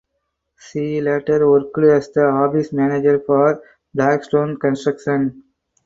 She later worked as the office manager for Blackstone Construction.